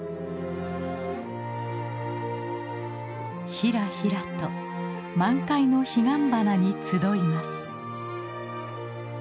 ひらひらと満開のヒガンバナに集います。